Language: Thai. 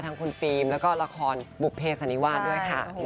ทั้งคุณฟิล์มแล้วก็ละครบุภเพศสันนิวาสด้วยค่ะ